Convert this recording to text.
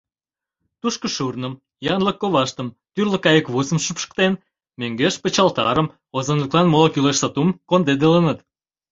Тушко шурным, янлык коваштым, тӱрлӧ кайыквусым шупшыктен, мӧҥгеш пычалтарым, озанлыклан моло кӱлеш сатум кондедылыныт.